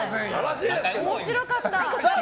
面白かった。